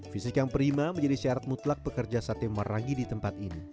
fisik yang prima menjadi syarat mutlak pekerja sate marangi di tempat ini